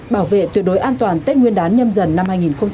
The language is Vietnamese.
bảo vệ tuyệt đối an toàn tết nguyên đán nhâm dần năm hai nghìn hai mươi